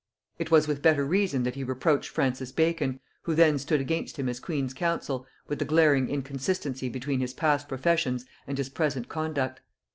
It was with better reason that he reproached Francis Bacon, who then stood against him as queen's counsel, with the glaring inconsistency between his past professions and his present conduct.